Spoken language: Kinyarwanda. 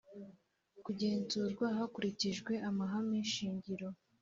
Kugenzurwa hakurikijwe amahame shingiro